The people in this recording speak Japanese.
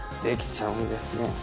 できちゃうんですね